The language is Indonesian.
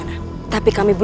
nanti ada jalan